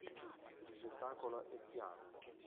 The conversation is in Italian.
Il ricettacolo è piano.